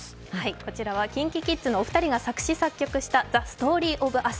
こちらはＫｉｎＫｉＫｉｄｓのお二人が作詞作曲した「ＴｈｅＳｔｏｒｙｏｆＵｓ」。